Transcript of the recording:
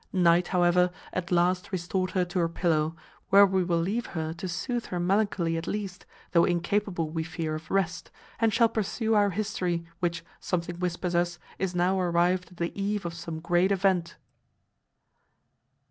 Night, however, at last restored her to her pillow, where we will leave her to soothe her melancholy at least, though incapable we fear of rest, and shall pursue our history, which, something whispers us, is now arrived at the eve of some great event.